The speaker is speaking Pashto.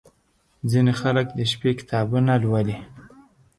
• ځینې خلک د شپې کتابونه لولي.